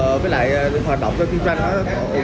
và với lại hoạt động cho kinh doanh nó ổn định hơn và tốt hơn